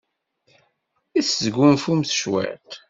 I tesgunfumt cwiṭ?